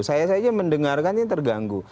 saya saja mendengarkan yang terganggu